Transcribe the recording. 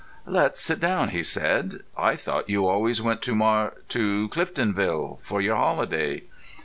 "Let's sit down," he said. "I thought you always went to Mar—to Cliftonville for your holiday?"